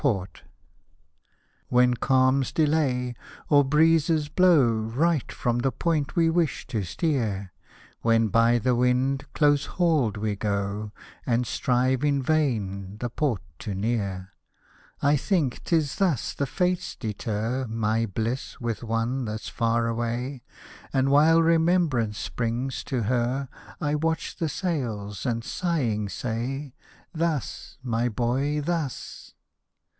port Hosted by Google LINES WRITTEN AT THE COHOS 99 When calms delay, or breezes blow Right from the point we wish to steer ; When by the wind close hauled we go, And strive in vain the port to near ; I think 'tis thus the fates defer My bliss with one that's far away, And while remembrance springs to her, I watch the sails and sighing say, Thus, my boy ! thus.